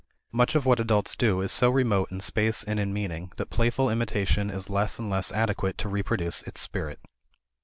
Much of what adults do is so remote in space and in meaning that playful imitation is less and less adequate to reproduce its spirit.